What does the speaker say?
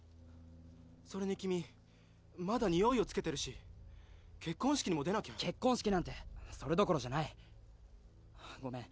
それに君まだにおいをつけてるし結婚式にも出なきゃ結婚式なんてそれどころじゃないごめん